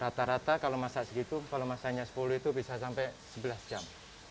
rata rata kalau masak segitu kalau masaknya sepuluh itu bisa sampai sebelas jam